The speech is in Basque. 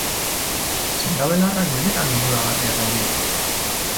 Sendabelarrak benetan onuragarriak al dira?